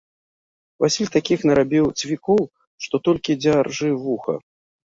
Васіль такіх нарабіў цвікоў, што толькі дзяржы вуха.